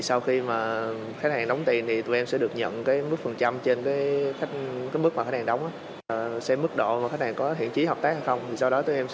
sau khi khách hàng đóng tiền tụi em sẽ được nhận mức phân chia